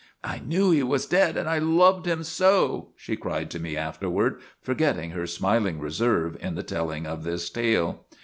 " I knew he was dead and I loved him so !" she cried to me afterward, forgetting her smiling reserve in the telling of this tale.